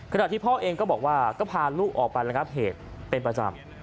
ที่พ่อเองก็บอกว่าก็พาลูกออกไประงับเหตุเป็นประจำ